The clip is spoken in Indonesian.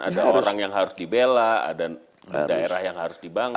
ada orang yang harus dibela ada daerah yang harus dibangun